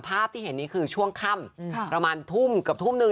ภาพที่เห็นนี้คือช่วงค่ำประมาณทุ่มเกือบทุ่มหนึ่ง